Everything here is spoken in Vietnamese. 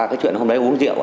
cái chuyện hôm đấy uống rượu ạ